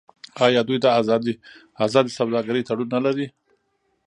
آیا دوی د ازادې سوداګرۍ تړون نلري؟